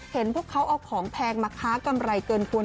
เห็นพวกเขาเอาของแพงมาค้ากำไรเกินควร